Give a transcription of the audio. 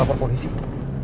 apa yang akan terjadi